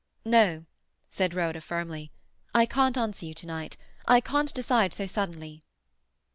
"No," said Rhoda firmly. "I can't answer you to night. I can't decide so suddenly."